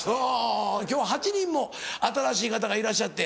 今日は８人も新しい方がいらっしゃって。